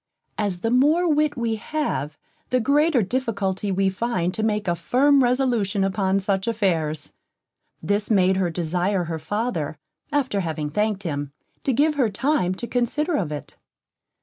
As the more wit we have, the greater difficulty we find to make a firm resolution upon such affairs, this made her desire her father, after having thanked him, to give her time to consider of it.